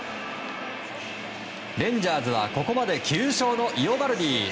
レンジャーズはここまで９勝のイオバルディ。